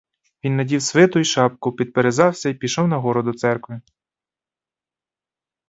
Він надів свиту й шапку, підперезався й пішов на гору до церкви.